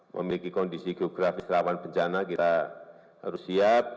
memiliki kondisi geografis rawan bencana kita harus siap